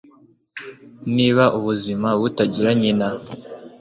Niba ubuzima butagira nyina